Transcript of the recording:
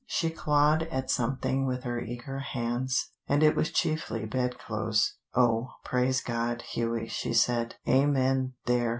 She clawed at something with her eager hands, and it was chiefly bed clothes. "Oh, praise God, Hughie," she said. "Amen. There!